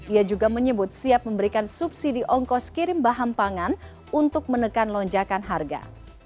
ia juga menyebut siap memberikan subsidi ongkos kirim bahan pangan untuk menekan lonjakan harga